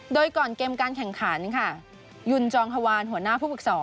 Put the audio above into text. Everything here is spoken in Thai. โดยก่อนเกมการแข่งขันค่ะยุนจองฮวานหัวหน้าผู้ฝึกศร